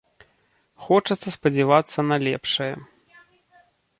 Хочацца спадзявацца на лепшае.